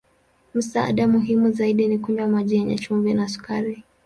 Msaada muhimu zaidi ni kunywa maji yenye chumvi na sukari.